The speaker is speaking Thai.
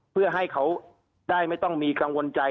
เพื่อให้เขาได้ไม่ต้องมีกังวลใจ